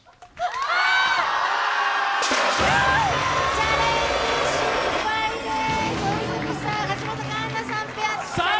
チャレンジ失敗です。